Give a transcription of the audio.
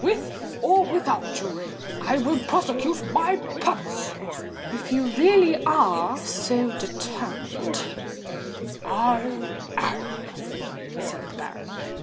With or without your aid, I prosecute my purpose." "If you are really so determined——" "I am," said the baronet.